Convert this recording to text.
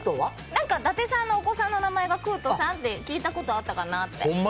なんか伊達さんのお子さんの名前が「くうと」聞いたことあったかなって。